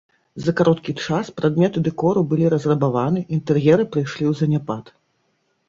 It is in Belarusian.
За кароткі час прадметы дэкору былі разрабаваны, інтэр'еры прыйшлі ў заняпад.